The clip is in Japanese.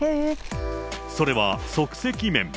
それは即席麺。